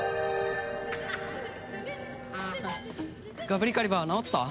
ガブリカリバー直った？